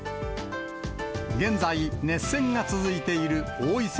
現在、熱戦が続いている王位戦